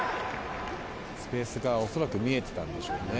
スペースがおそらく見えていたのでしょう。